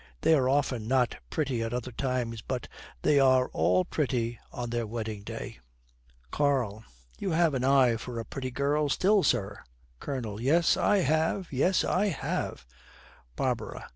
They are often not pretty at other times, but they are all pretty on their wedding day.' KARL. 'You have an eye for a pretty girl still, sir!' COLONEL. 'Yes, I have; yes, I have!' BARBARA.